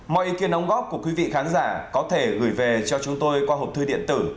mọi ý kiến đóng góp của quý vị khán giả có thể gửi về cho chúng tôi qua hộp thư điện tử